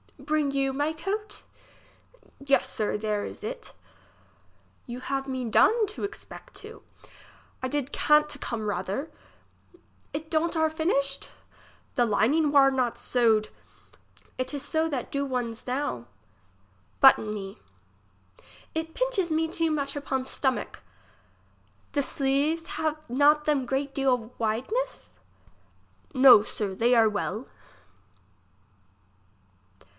Bring you my coat? Yes, sir, there is it You have me done to expect too. I did can't to come rather. It don't are finished ? The lining war not scwd. It is so that do one's now. Button me. It pinches me too much upon stomack. The sleeves have not them great deal wideness ? No, sir, they are well.